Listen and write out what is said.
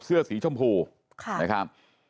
เสื้อสีชมพูค่ะใช่อ่ะ